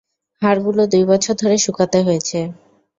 হাড়গুলো দুইবছর ধরে শুকাতে হয়েছে।